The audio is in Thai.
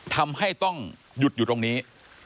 ทำให้ต้องหยุดอยู่ตรงนี้